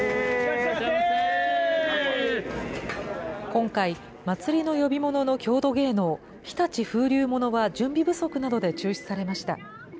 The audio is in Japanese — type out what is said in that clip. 今回、まつりの呼び物の郷土芸能、日立風流物は準備不足などで中止されました。